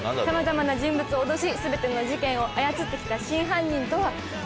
さまざまな人物を脅し全ての事件を操って来た真犯人とは？